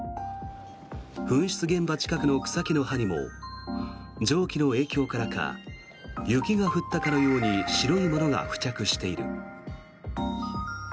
噴出現場近くの草木の葉にも蒸気の影響からか雪が降ったかのように白いものが付着している。